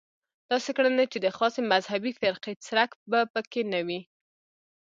داسې کړنې چې د خاصې مذهبي فرقې څرک به په کې نه وي.